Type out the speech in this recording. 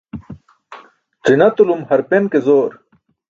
Ẓi̇natulum harpan ke zoor.